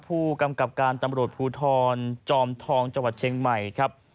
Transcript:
ผู้กำกับการตำรวจภูทรจอมทองจังหวัดเชียงใหม่ครับ